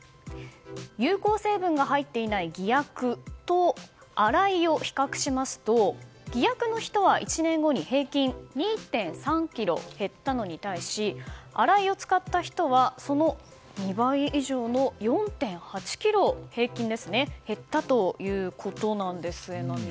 有効成分が入っていない偽薬とアライを比較しますと偽薬の人は１年後に平均２．３ｋｇ減ったのに対しアライを使った人はその２倍以上の平均４．８ｋｇ減ったということなんです。